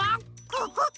ここか！